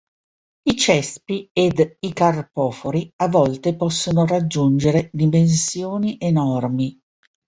I cespi ed i carpofori a volte possono raggiungere dimensioni enormi.